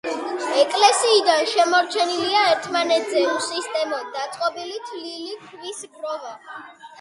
ეკლესიიდან შემორჩენილია ერთმანეთზე უსისტემოდ დაწყობილი თლილი ქვის გროვა.